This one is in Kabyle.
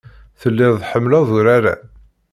Telliḍ tḥemmleḍ urar-a.